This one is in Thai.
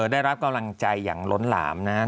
ได้รับกำลังใจอย่างล้นหลามนะครับ